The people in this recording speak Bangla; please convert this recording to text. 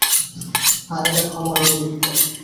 হ্যাঁ, এটা ক্ষমার অযোগ্য।